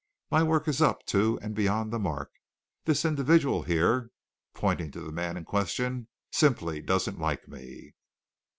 My work is up to and beyond the mark. This individual here" pointing to the man in question "simply doesn't like me.